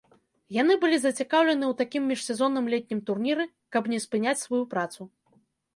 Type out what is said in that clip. Яны былі зацікаўлены ў такім міжсезонным летнім турніры, каб не спыняць сваю працу.